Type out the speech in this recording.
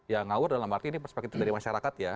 yang ngawur dalam arti perspektif dari masyarakat ya